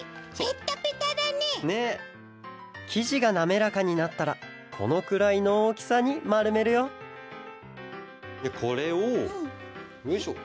きじがなめらかになったらこのくらいのおおきさにまるめるよこれをよいしょ。